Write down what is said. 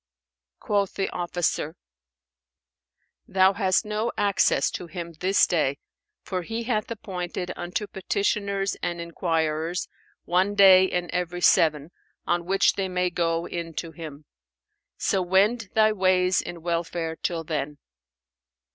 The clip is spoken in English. Quoth the officer, "Thou hast no access to him this day; for he hath appointed unto petitioners and enquirers one day in every seven" (naming the day), "on which they may go in to him; so wend thy ways in welfare till then."